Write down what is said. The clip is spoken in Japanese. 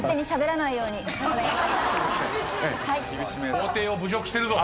法廷を侮辱してるぞ。